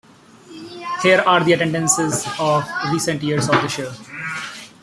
Here are the attendances of recent years of the Show.